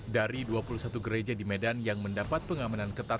dari dua puluh satu gereja di medan yang mendapat pengamanan ketat